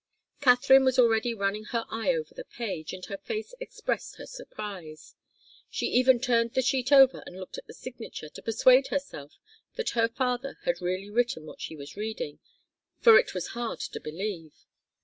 Katharine was already running her eye over the page, and her face expressed her surprise. She even turned the sheet over and looked at the signature to persuade herself that her father had really written what she was reading, for it was hard to believe.